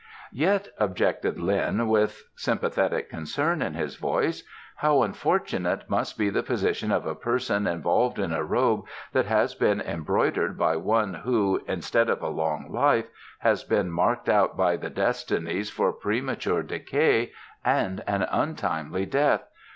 "Yet," objected Lin, with sympathetic concern in his voice, "how unfortunate must be the position of a person involved in a robe that has been embroidered by one who, instead of a long life, has been marked out by the Destinies for premature decay and an untimely death!